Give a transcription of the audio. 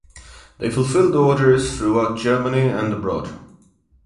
They fulfilled orders throughout Germany and abroad.